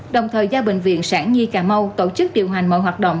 đồng thời giao bệnh viện sản nhi cà mau tổ chức điều hành mọi hoạt động